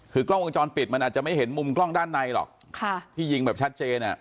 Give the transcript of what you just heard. คือกล้องวงจรปิดมันอาจจะไม่เห็นมุมกล้องด้านในหรอกที่ยิงแบบชัดเจนอ่ะ